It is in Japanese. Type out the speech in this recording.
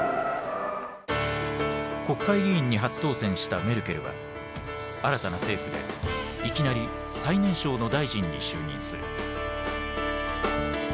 国会議員に初当選したメルケルは新たな政府でいきなり最年少の大臣に就任する。